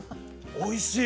おいしい！